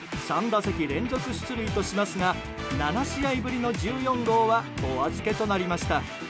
３打席連続出塁としますが７試合ぶりの１４号はお預けとなりました。